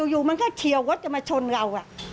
อยู่มันก็เฉียวก็จะมาชนเรา